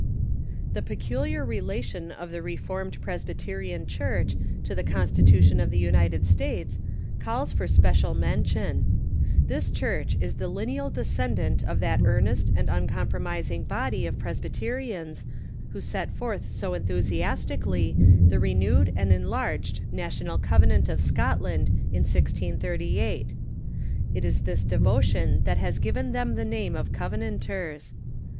The peculiar relation of the Reformed Presbyterian Church to the Constitution of the United States calls for special men The Reformed ^^^" I'^^is Church is the lineal descendant of that Presbyterian earnest and uncompromising body of Presbyterians ^^^ who set forth so enthusiasticall}' the renewed and enlarged National Covenant of Scotland in 1638. It is this devotion that has given them the name of Covenanters.